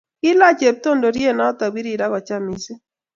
kilach cheptondoriet noto pirir agocham missing